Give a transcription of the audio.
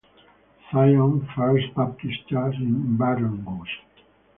Zion First Baptist Church in Baton Rouge.